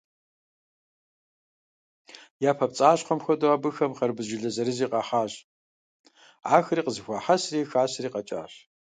Япэ пцӀащхъуэм хуэдэу, абыхэм хьэрбыз жылэ зэрызи къахьащ, ахэри къызэхуахьэсри хасэри къэкӀащ.